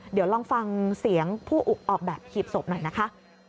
เดี๋ยวลองฟังเสียงผู้ออกแบบหีบศพหน่อยนะคะ